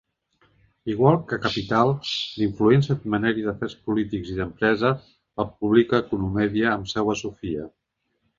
Igual que 'Capital', l'influent setmanari d'afers polítics i d'empresa, el publica Economedia, amb seu a Sofia.